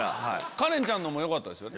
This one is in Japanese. カレンちゃんのもよかったですね。